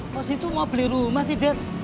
mas itu mau beli rumah sih dad